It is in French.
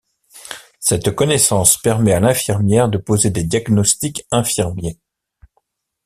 Cette connaissance permet à l'infirmière de poser des diagnostics infirmiers.